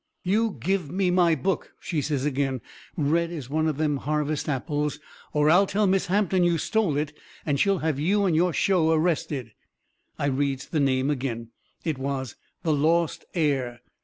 "You give me my book," she says agin, red as one of them harvest apples, "or I'll tell Miss Hampton you stole it and she'll have you and your show arrested." I reads the name agin. It was "The Lost Heir."